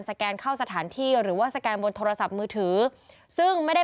แกนเข้าสถานที่หรือว่าสแกนบนโทรศัพท์มือถือซึ่งไม่ได้